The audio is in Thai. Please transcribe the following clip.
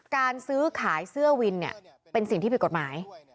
การซื้อขายเสื้อวินเป็นสิ่งที่ผิดกฎหมาย